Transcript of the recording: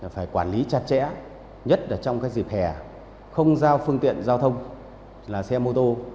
phải quản lý chặt chẽ nhất trong dịp hè không giao phương tiện giao thông là xe mô tô